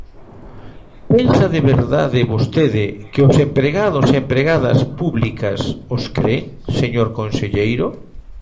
¿Pensa de verdade vostede que os empregados e empregadas públicas os cren, señor conselleiro?